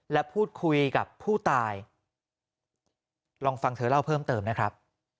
และพูดคุยกับผู้ตายลองฟังเธอเล่าเพิ่มเติมนะครับ